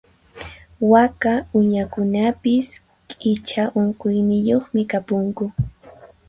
Waka uñakunapis q'icha unquyniyuqmi kapunku.